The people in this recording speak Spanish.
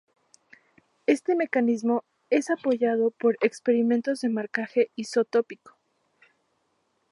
Este mecanismo es apoyado por experimentos de marcaje isotópico.